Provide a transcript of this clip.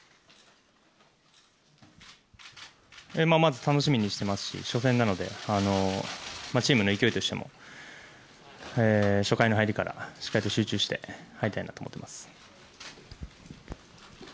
まず楽しみにしていますし初戦なのでチームの勢いとしても初回の入りからしっかりと集中して入りたいと思っています。